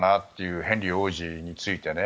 ヘンリー王子についてね。